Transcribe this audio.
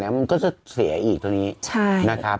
มันก็จะเสียอีกตรงนี้นะครับ